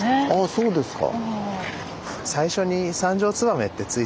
そうですか。